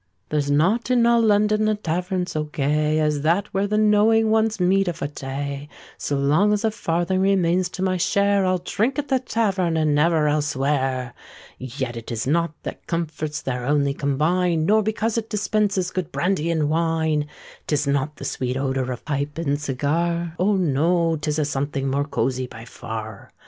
There's not in all London a tavern so gay, As that where the knowing ones meet of a day: So long as a farthing remains to my share, I'll drink at that tavern, and never elsewhere. Yet it is not that comforts there only combine, Nor because it dispenses good brandy and wine; 'Tis not the sweet odour of pipe nor cigar— Oh! no—'tis a something more cozie by far!